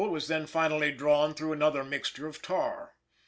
8) was then finally drawn through another mixture of tar.